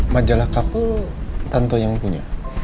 majalah kapel tante yang punya